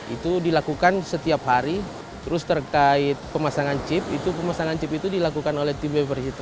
itu dilakukan setiap hari terus terkait pemasangan chip itu dilakukan oleh team member